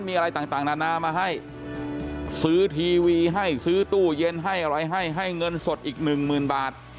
มีอะไรต่างนานามาให้ซื้อทีวีให้ซื้อตู้เย็นให้อะไรให้ให้เงินสดอีกหนึ่งหมื่นบาท